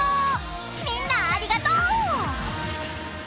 みんなありがとう！